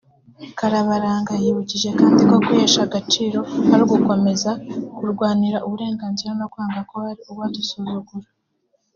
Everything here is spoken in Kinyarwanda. Karabaranga yibukije kandi ko “Kwihesha agaciro ni ugukomeza kurwanira uburenganzira no kwanga ko hari uwadusuzugura”